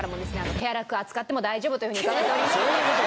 手荒く扱っても大丈夫というふうに伺っておりますので。